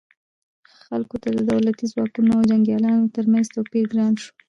خلکو ته د دولتي ځواکونو او جنګیالیو ترمنځ توپیر ګران شو.